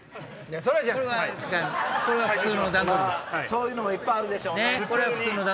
そういうのもいっぱいあるでしょうね。